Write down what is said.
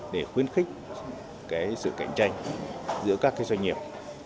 để khuyến khích sự cạnh tranh giữa các doanh nghiệp